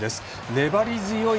粘り強い